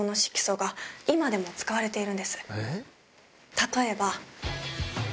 例えば。